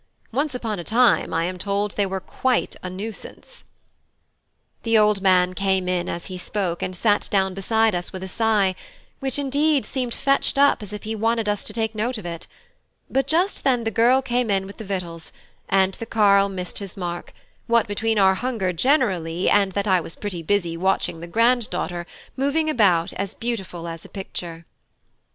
Once upon a time, I am told, they were quite a nuisance." The old man came in as he spoke and sat down beside us with a sigh, which, indeed, seemed fetched up as if he wanted us to take notice of it; but just then the girl came in with the victuals, and the carle missed his mark, what between our hunger generally and that I was pretty busy watching the grand daughter moving about as beautiful as a picture.